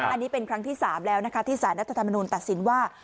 อันนี้เป็นครั้งที่๓แล้วนะคะที่สารรัฐธรรมนุนตัดสินว่า